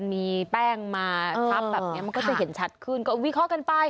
มีแป้งมาก็จะเห็นชัดขึ้นเวลาวิเคราะห์กันไป